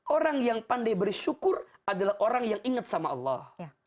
orang yang pandai bersyukur adalah orang yang ingat sama allah